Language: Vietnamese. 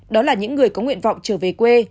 đó là những người có nguyện vọng trở về quê